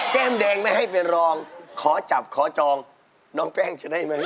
แก้มแดงไม่ให้ไปรองขอจับขอจองน้องแป้งจะได้ไหม